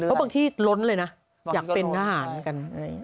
เพราะบางที่ล้นเลยนะอยากเป็นทหารกัน